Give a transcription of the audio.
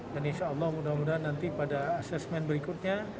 dan insya allah mudah mudahan nanti pada asesmen berikutnya